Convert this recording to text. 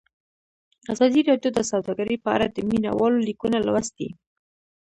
ازادي راډیو د سوداګري په اړه د مینه والو لیکونه لوستي.